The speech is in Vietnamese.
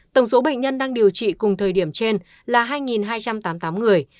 tổng số bệnh nhân đang điều trị cùng thời điểm trên là hai hai trăm tám mươi tám người